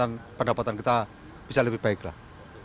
dan pendapatan kita bisa lebih baiklah